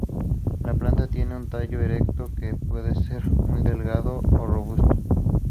La planta tiene un tallo erecto que puede ser muy delgado o robusto.